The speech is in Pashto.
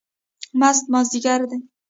مست مازدیګر دی